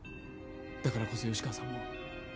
だからこそ吉川さんも